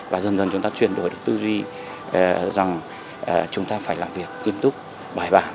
và dần dần chúng ta chuyển đổi được tư duy rằng chúng ta phải làm việc nghiêm túc bài bản